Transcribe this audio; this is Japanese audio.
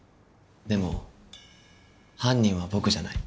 でも犯人は僕じゃない。